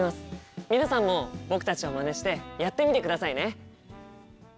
皆さんも僕たちをまねしてやってみてくださいね。